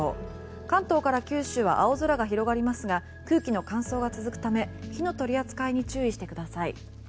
関東から九州は青空が広がりますが空気の乾燥が続くため火の取り扱いに注意してください。